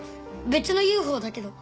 別のＵＦＯだけど。